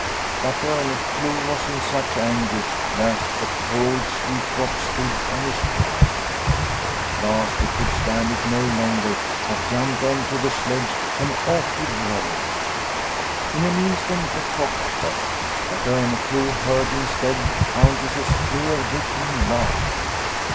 But Orneclou was in such anguish that the cold sweat drops stood on his brow. At last he could stand it no longer but jumped on to the sledge and off he drove. In an instant the cock stopped, but Orneclou heard instead the Countess's clear rippling laugh.